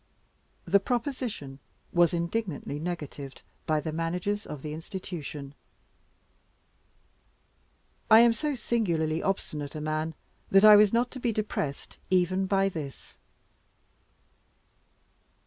The proposition was indignantly negatived by the managers of the Institution. I am so singularly obstinate a man that I was not to be depressed even by this.